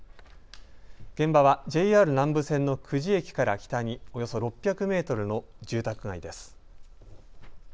現場はＪＲ南武線の久地駅から北におよそ６００メートルの住宅街です。